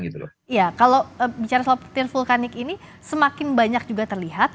iya kalau bicara soal petir vulkanik ini semakin banyak juga terlihat